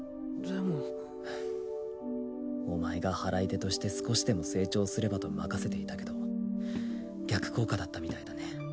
でもお前が祓い手として少しでも成長すればと任せていたけど逆効果だったみたいだね